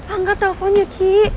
angkat teleponnya ki